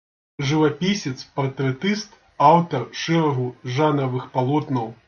Жывапісец-партрэтыст, аўтар шэрагу жанравых палотнаў.